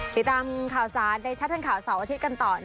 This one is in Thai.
ติดตามข่าวสารในชัดทางข่าวเสาร์อาทิตย์กันต่อ